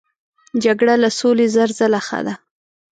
جګړه له سولې زر ځله ښه ده.